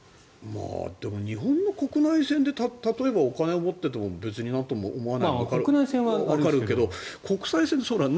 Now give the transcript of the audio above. でも、日本の国内線で例えばお金を持っていても別になんとも思わないのはわかるけど国際線ってそうだよね